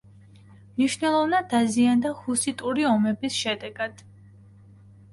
მნიშვნელოვნად დაზიანდა ჰუსიტური ომების შედეგად.